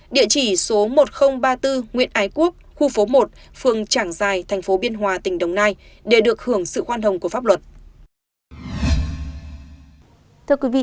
địa chỉ số một nghìn ba mươi bốn nguyễn ái quốc khu phố một phường trảng giài thành phố biên hòa tỉnh đồng nai để được hưởng sự khoan hồng của pháp luật